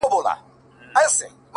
• زه مي پر خپلي بې وسۍ باندي تکيه کومه،